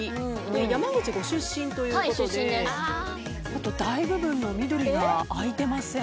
山口ご出身ということで大部分の緑があいてません。